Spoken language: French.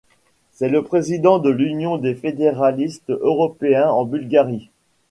C'est le président de l'Union des fédéralistes européens en Bulgarie.